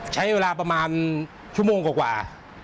ใช้เวลาประมาณชั่วโมงกว่า